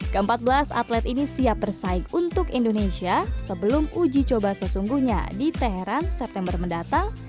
ke empat belas atlet ini siap bersaing untuk indonesia sebelum uji coba sesungguhnya di teheran september mendatang